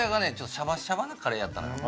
シャバシャバなカレーやったのよ。